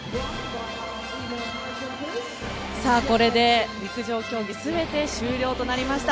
これで陸上競技は全て終了となりました。